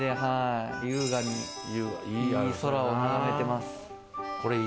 優雅にいい空を見上げてます。